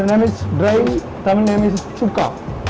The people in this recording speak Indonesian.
namanya kering namanya cuka